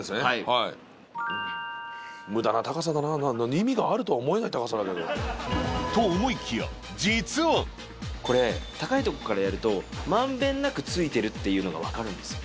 はい無駄な高さだな意味があるとは思えない高さだよと思いきやこれ高いとこからやると満遍なく付いてるっていうのがわかるんですよ